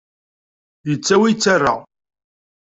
Yettawi, yettarra.